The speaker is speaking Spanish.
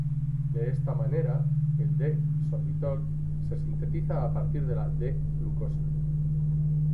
De esta manera, el D-sorbitol se sintetiza a partir de D-glucosa.